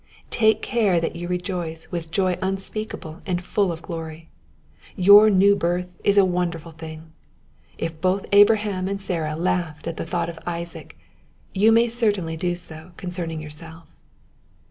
Take care that you rejoice with joy unspeakable and full of glory. Your new birth is a wonderful thing. If both Abraham and Sarah laughed at the thought of Isaac, you may certainly do so concerning your self.